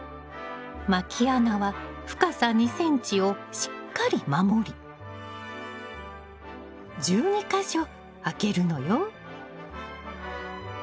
まき穴は深さ２ｃｍをしっかり守り１２か所開けるのよ。